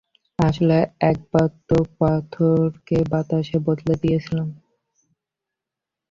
আসলে, একবার তো, পাথরকে বাতাসে বদলে দিয়েছিলাম।